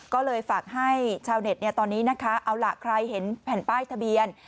ก็เลยฝากให้ชาวเน็ตตอนนี้นะคะเอาล่ะใครเห็นแผ่นป้ายทะเบียน